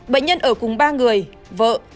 bệnh nhân ở cùng ba người vợ